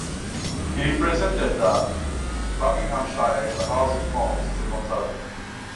He represented Buckinghamshire in the House of Commons as a Conservative.